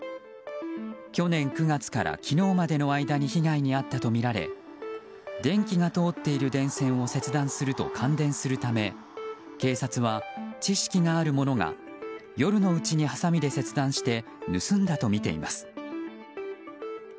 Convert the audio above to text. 去年９月から昨日までの間に被害に遭ったとみられ電気が通っている電線を切断すると感電するため警察は知識があるものが夜のうちに、はさみで切断して盗んだとみています。